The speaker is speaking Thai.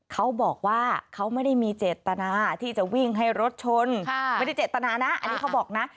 เขาบอกว่าเขาไม่ได้มีเจตนาที่จะวิ่งให้รถชนไม่ได้เจตนานะอันนี้เขาบอกนะ